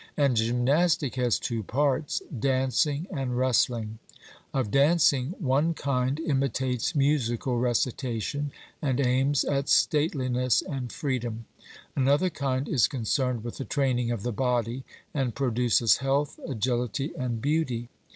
And gymnastic has two parts, dancing and wrestling. Of dancing one kind imitates musical recitation and aims at stateliness and freedom; another kind is concerned with the training of the body, and produces health, agility, and beauty.